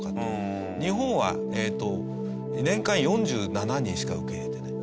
日本は年間４７人しか受け入れていない。